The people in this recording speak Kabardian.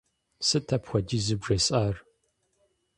Сыт апхуэдизу бжесӀар?